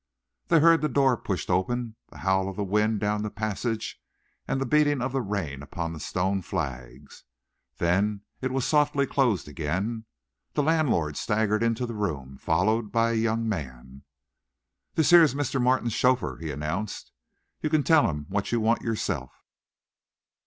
They heard the door pushed open, the howl of wind down the passage, and the beating of rain upon the stone flags. Then it was softly closed again. The landlord staggered into the room, followed by a young man. "This 'ere is Mr. Martin's chaffer," he announced. "You can tell him what you want yerself."